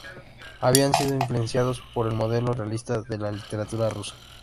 Habían sido influenciados por el modelo realista de la literatura rusa.